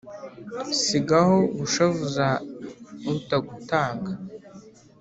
sigaho gushavuza utagutanga